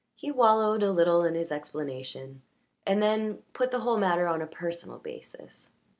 He wallowed a little in his explanation, and then put the whole matter on a personal basis.